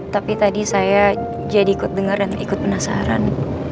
tapi tadi saya jadi ikut dengar dan ikut penasaran